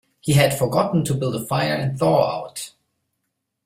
He had forgotten to build a fire and thaw out.